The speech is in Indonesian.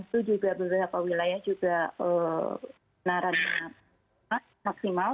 itu juga beberapa wilayah juga narannya maksimal